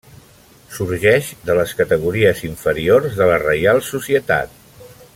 Sorgeix de les categories inferiors de la Reial Societat.